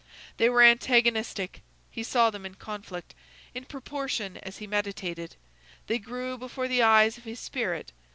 They were antagonistic. He saw them in conflict. In proportion as he meditated, they grew before the eyes of his spirit.